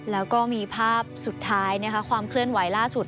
แล้วก็มีภาพสุดท้ายความเคลื่อนไหวล่าสุด